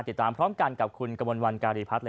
ติดตามพร้อมกันกับคุณกระมวลวันการีพัฒน์